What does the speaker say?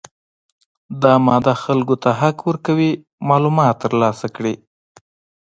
دا ماده خلکو ته حق ورکوي معلومات ترلاسه کړي.